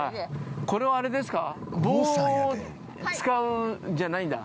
これはあれですか。